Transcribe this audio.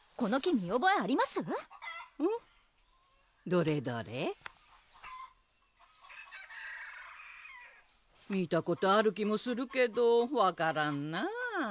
どれどれ見たことある気もするけど分からんなぁ